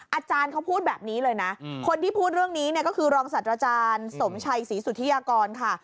อาจารย์เขาพูดแบบนี้เลยนะคนที่พูดเรื่องนี้เนี่ยก็คือรองศัตว์อาจารย์สมชัยศรีสุธิยากรค่ะ